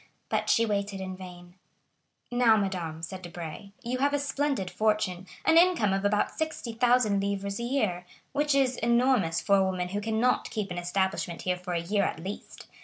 But she waited in vain. "Now, madame," said Debray, "you have a splendid fortune, an income of about 60,000 livres a year, which is enormous for a woman who cannot keep an establishment here for a year, at least.